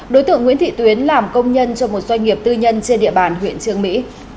đối tượng nguyễn thị tuyến làm công nhân cho một doanh nghiệp tư nhân trên địa bàn huyện trương mỹ